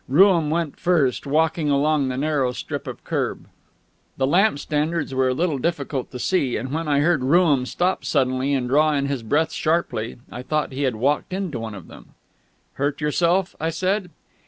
Rooum went first, walking along the narrow strip of kerb. The lamp standards were a little difficult to see, and when I heard Rooum stop suddenly and draw in his breath sharply, I thought he had walked into one of them. "Hurt yourself?" I said.